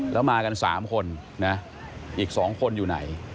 แล้วมากัน๓คนนะอีก๒คนอยู่ไหน